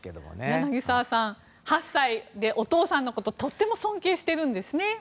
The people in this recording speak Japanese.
柳澤さん８歳でお父さんのことをとても尊敬しているんですね。